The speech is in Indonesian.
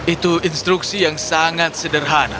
itu instruksi yang sangat sederhana